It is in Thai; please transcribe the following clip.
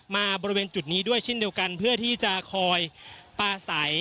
มาบริเวณจุดนี้ด้วยชิ้นเดียวกันเพื่อที่จะคอยประสัย